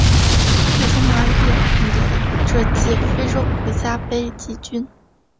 最终马里也赢得了这届非洲国家杯季军。